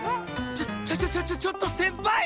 ちょちょちょちょちょちょっと先輩！？